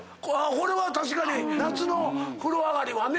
これは確かに夏の風呂上がりはね。